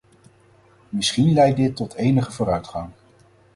Misschien leidt dit tot enige vooruitgang.